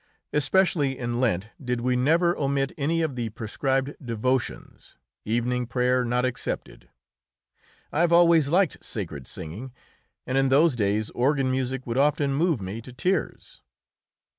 Especially in Lent did we never omit any of the prescribed devotions, evening prayer not excepted. I have always liked sacred singing, and in those days organ music would often move me to tears.